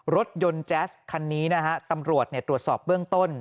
รถยนต์แจ๊สคันนี้นะฮะตำรวจตรวจสอบเบื้องต้น